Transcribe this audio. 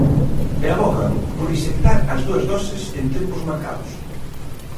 E avogan por inxectar as dúas doses en tempos marcados.